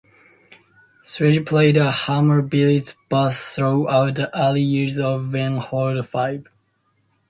Sledge played a Hamer Blitz Bass throughout the early years of Ben Folds Five.